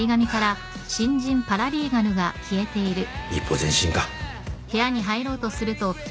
一歩前進か。